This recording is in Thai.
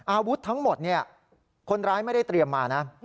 อาวุธทั้งหมดคนร้ายไม่ได้เตรียมมานะ